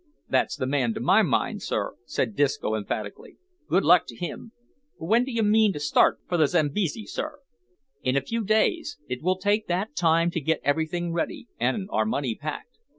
"That's the man to my mind," said Disco emphatically; "good luck to him. But w'en d'you mean to start for the Zambizzy, sir?" "In a few days. It will take that time to get everything ready, and our money packed."